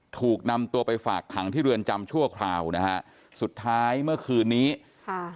ถูกนำตัวไปฝากขังที่เรือนจำชั่วคราวนะฮะสุดท้ายเมื่อคืนนี้ค่ะ